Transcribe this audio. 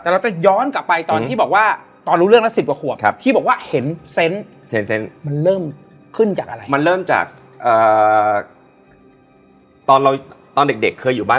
แล้วเราก็ไปนอนในบ้านเขา